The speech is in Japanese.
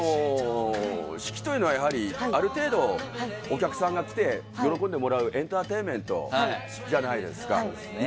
式というのはある程度、お客さんが来て喜んでもらうエンターテインメントじゃないですか。